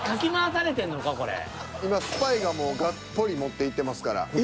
今スパイがもうがっぽり持っていってますから。